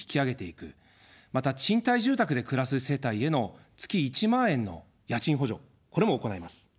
また、賃貸住宅で暮らす世帯への月１万円の家賃補助、これも行います。